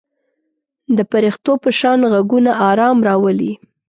د پرښتو په شان غږونه آرام راولي.